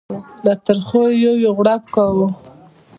له ترخو مې یو یو خوږ غړپ کاوه.